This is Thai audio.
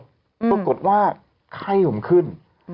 ปรากฏว่าไข้ผมขึ้น